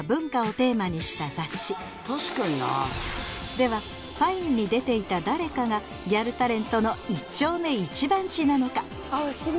では「Ｆｉｎｅ」に出ていた誰かがギャルタレントの一丁目一番地なのか？